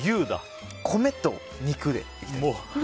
米と肉でいきたいです。